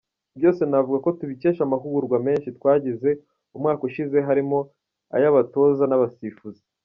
Byose navuga ko tubikesha amahugurwa menshi twagize umwaka ushize harimo ay’abatoza n’abasifuzi.